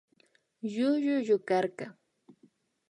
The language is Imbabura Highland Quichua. Llullu llukarka